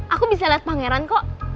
aku bisa lihat pangeran kok